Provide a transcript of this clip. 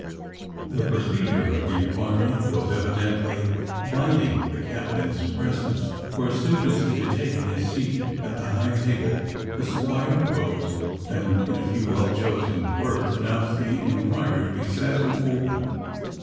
The procedure of the inquiry was evidently biding the captain's presence, for as soon as he had taken his seat at the high table the squire rose and in a few well chosen words announced the inquiry to be set and open.